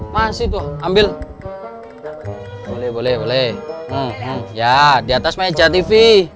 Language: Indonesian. masih ambil boleh boleh boleh ya diatasnya ic tv